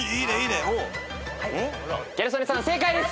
ギャル曽根さん正解です！